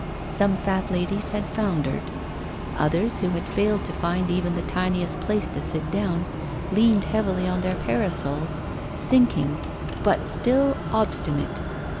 Some fat ladies had foundered. Others, who had failed to find even the tiniest place to sit down, leaned heavily on their parasols, sinking, but still obstinate.